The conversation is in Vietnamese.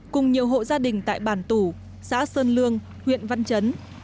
cùng nhiều hộ gia đình tại bản tủ xã sơn lương huyện văn chấn